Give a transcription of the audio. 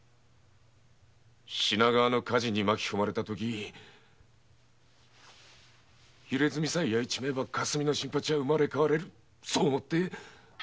品川の火事に巻き込まれた時イレズミさえ焼いちまえば霞の新八は生まれ変われると思い